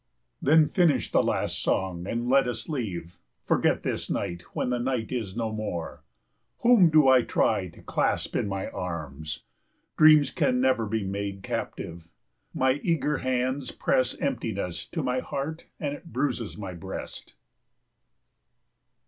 51 Then finish the last song and let us leave. Forget this night when the night is no more. Whom do I try to clasp in my arms? Dreams can never be made captive. My eager hands press emptiness to my heart and it bruises my breast.